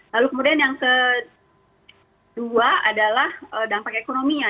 lalu kemudian yang kedua adalah dampak ekonominya